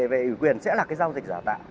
về ủy quyền sẽ là cái giao dịch giả tạo